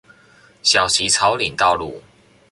小旗草嶺道路